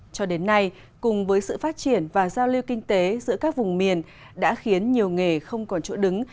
cho đến nay cùng với sự phát triển và giao lưu kinh tế giữa các vùng miền đã khiến nhiều nghề không còn chỗ đứng